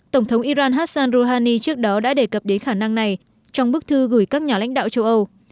tổng thống iran hassan rouhani trước đó đã đề cập đến khả năng này trong bức thư gửi các nhà lãnh đạo châu âu